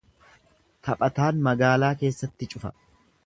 Taphataan magaalaa keessatti cufa.